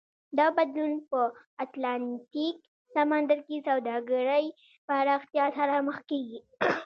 دا بدلون په اتلانتیک سمندر کې سوداګرۍ پراختیا سره مخ کېږي.